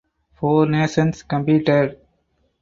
Four nations competed.